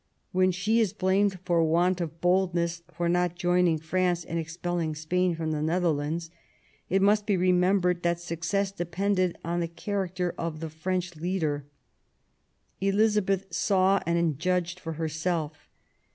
When she is blamed for want of boldness, for not joining France in expelling Spain from the Netherlands, it must be remembered that success depended on the character of the French leader. Elizabeth saw and judged for herself.